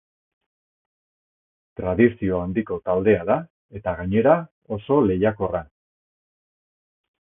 Tradizio handiko taldea da, eta gainera, oso lehiakorra.